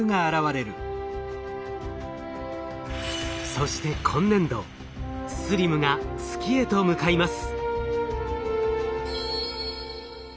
そして今年度ＳＬＩＭが月へと向かいます。